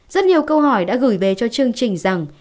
rất nhiều câu hỏi đã gửi về cho chương trình rằng